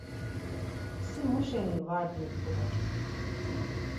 Si muşeni var dimpuler?